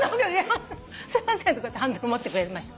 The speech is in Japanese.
すいませんとかってハンドル持ってくれました。